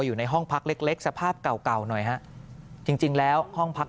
อยู่ในห้องพักเล็กเล็กสภาพเก่าเก่าหน่อยฮะจริงแล้วห้องพัก